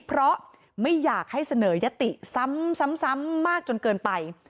เพราะไม่อยากให้เสนอยติซ้ำมากจนเกินไป